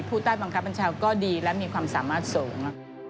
ผู้ใต้บังคับบัญชาก็ดีและมีความสามารถสูง